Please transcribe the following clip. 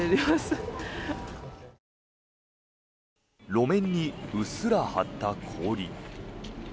路面にうっすら張った氷。